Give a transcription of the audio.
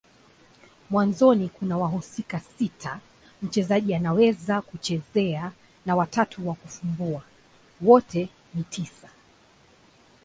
Mwanzoni kuna wahusika sita mchezaji anaweza kuchezea na watatu wa kufumbua. Wote ni tisa.